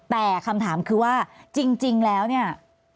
แต่คำถามคือว่าจริงแล้วเนี่ย